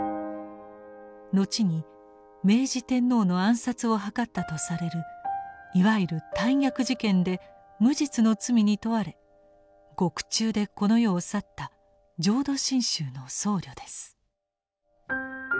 後に明治天皇の暗殺を謀ったとされるいわゆる「大逆事件」で無実の罪に問われ獄中でこの世を去った浄土真宗の僧侶です。